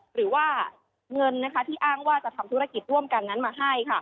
หรือว่าเงินที่อ้างว่าจะทำธุรกิจร่วมกันนั้นมาให้